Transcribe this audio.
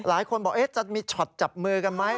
หลายคนบอกจะมีช็อตจับมือกันไหม